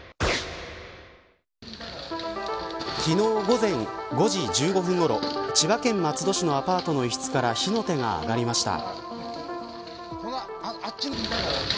昨日、午前５時１５分ごろ千葉県松戸市のアパートの一室から火の手が上がりました。